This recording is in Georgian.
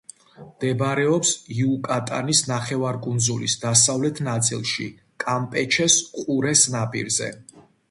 მდებარეობს იუკატანის ნახევარკუნძულის დასავლეთ ნაწილში, კამპეჩეს ყურეს ნაპირზე.